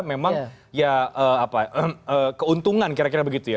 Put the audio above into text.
memang ya apa keuntungan kira kira begitu ya